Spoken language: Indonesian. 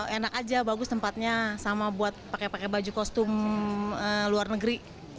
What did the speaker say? enak aja bagus tempatnya sama buat pakai pakai baju kostum luar negeri